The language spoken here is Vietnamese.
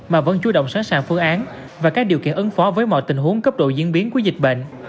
mà vẫn chú động sẵn sàng phương án và các điều kiện ứng phó với mọi tình huống cấp độ diễn biến của dịch bệnh